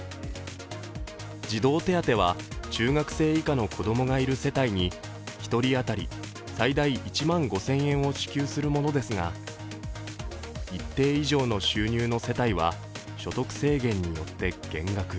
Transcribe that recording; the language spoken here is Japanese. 児童手当は中学生以下の子供がいる世帯に１人当たり最大１万５０００円を支給するものですが一定以上の収入の世帯は所得制限によって減額。